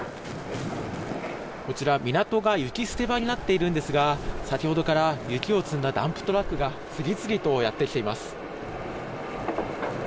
こちら港が雪捨て場になっているんですが先ほどから雪を積んだダンプトラックが次々とやってきています。